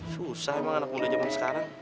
susah emang anak muda zaman sekarang